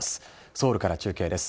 ソウルから中継です。